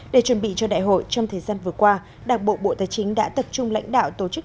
để chuẩn bị cho đại hội trong thời gian vừa qua đảng bộ bộ tài chính đã tập trung lãnh đạo tổ chức